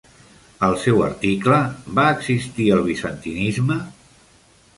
Al seu article, Va existir el bizantinisme?